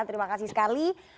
terima kasih sekali